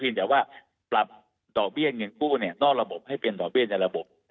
นอกระบบให้เป็นต่อเบี้ยในระบบ